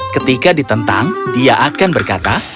ketika ditentang dia akan berkata